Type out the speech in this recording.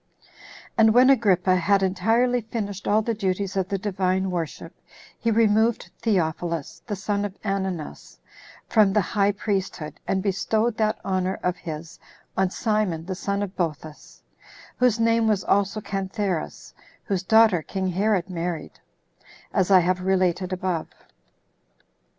2. And when Agrippa had entirely finished all the duties of the Divine worship, he removed Theophilus, the son of Ananus, from the high priesthood, and bestowed that honor of his on Simon the son of Boethus, whose name was also Cantheras whose daughter king Herod married, as I have related above.